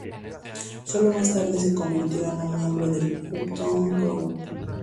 Sólo más tarde se convirtió en un miembro del "Uptown Group".